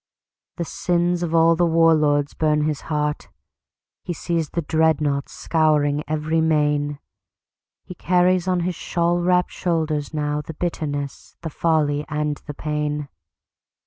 The sins of all the war lords burn his heart. He sees the dreadnaughts scouring every main. He carries on his shawl wrapped shoulders nowThe bitterness, the folly and the pain.